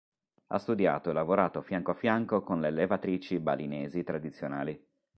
Ha studiato e lavorato fianco a fianco con le levatrici balinesi tradizionali.